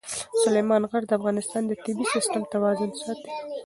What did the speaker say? سلیمان غر د افغانستان د طبعي سیسټم توازن ساتي.